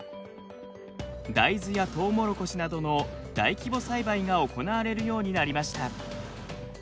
大豆やとうもろこしなどの大規模栽培が行われるようになりました。